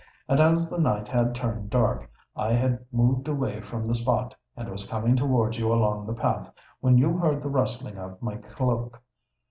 And as the night had turned dark, I had moved away from the spot, and was coming towards you along the path, when you heard the rustling of my cloak.